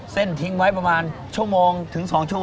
ทิ้งไว้ประมาณชั่วโมงถึง๒ชั่ว